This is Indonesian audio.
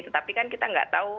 tetapi kan kita nggak tahu